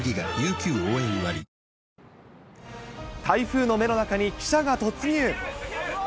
台風の目の中に記者が突入。